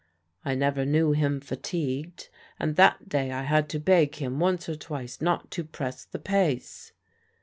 I never knew him fatigued; and that day I had to beg him once or twice not to press the pace.